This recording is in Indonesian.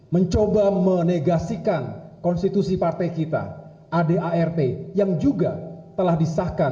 mencoba menegasikan konstitusi partai kita adart yang juga telah disahkan